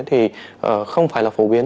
thì không phải là phổ biến